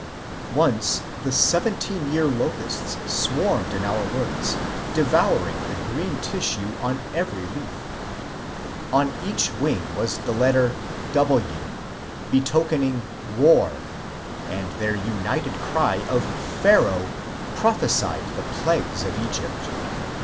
Once the seventeen year locusts swarmed in our woods, de vouring the green tissue in every leaf. On each wing was the letter " W," betokening " War," and their united cry of ^^ Pharaoh " prophesied the plagues of Egjrpt.